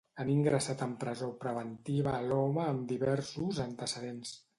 Han ingressat en presó preventiva a l'home amb diversos antecedents.